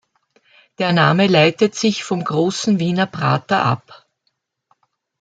Der Name leitet sich vom großen Wiener Prater ab.